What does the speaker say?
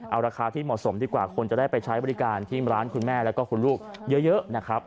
เอาราคาที่เหมาะสมดีกว่าคนจะได้ไปใช้บริการที่ร้านคุณแม่แล้วก็คุณลูกเยอะนะครับ